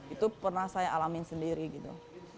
itu pernah saya alamin sendiri gitu